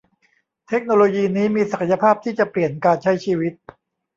เทคโนโลยีนี้มีศักยภาพที่จะเปลี่ยนการใช้ชีวิต